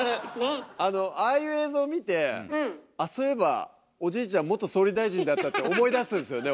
あのああいう映像見てあっそういえばおじいちゃん元総理大臣だったって思い出すんすよね